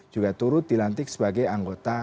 juga turut dilantik sebagai anggota